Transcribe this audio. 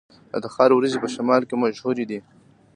د تخار وریجې په شمال کې مشهورې دي.